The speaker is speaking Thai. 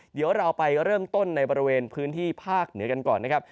เดี๋ยวเราไปเริ่มต้นในบริเวณพื้นที่ภาคเหนือกันก่อนนะครับ